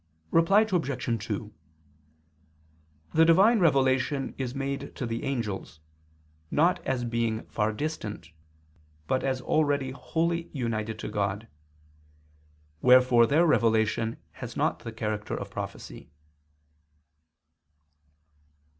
Reply Obj. 2: The divine revelation is made to the angels, not as being far distant, but as already wholly united to God; wherefore their revelation has not the character of prophecy.